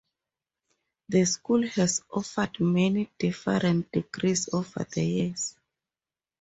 The school has offered many different degrees over the years.